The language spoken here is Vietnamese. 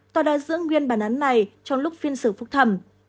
tòa đã giữ nguyên bản án này trong lúc phiên xử phúc thẩm